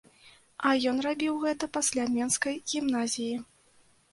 А ён рабіў гэта пасля менскай гімназіі!